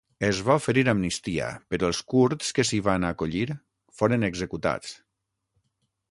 Es va oferir amnistia però els kurds que s'hi van acollir foren executats.